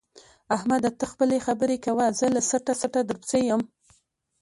احمده! ته خپلې خبرې کوه زه له څټه څټه درپسې یم.